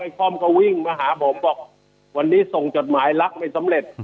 คอมก็วิ่งมาหาผมบอกวันนี้ส่งจดหมายรักไม่สำเร็จ